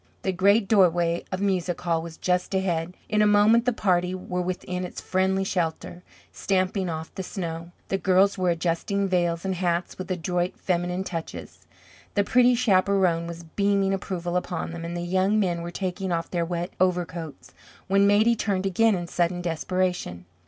The great doorway of Music Hall was just ahead. In a moment the party were within its friendly shelter, stamping off the snow. The girls were adjusting veils and hats with adroit feminine touches; the pretty chaperon was beaming approval upon them, and the young men were taking off their wet overcoats, when Maidie turned again in sudden desperation.